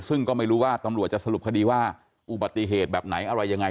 ซึ่งก็ไม่รู้ว่าตำรวจจะสรุปคดีว่าอุบัติเหตุแบบไหนอะไรยังไง